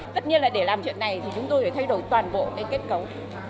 tất nhiên là để làm chuyện này thì chúng tôi phải thay đổi toàn bộ cái kết cấu